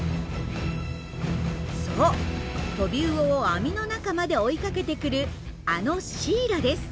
そうトビウオを網の中まで追いかけてくるあのシイラです。